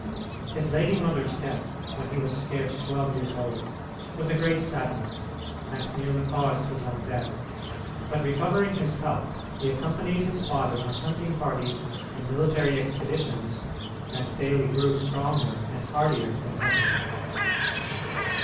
His lady mother's death, when he was scarce twelve years old, was a great sadness, and nearly caused his own death, but, recovering his health, he accompanied his father on hunting parties and military expeditions, and daily grew stronger and hardier than ever.